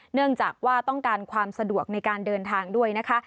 เนื่องจากว่าต้องการความสะดวกในการเดินทางด้วยนะคะ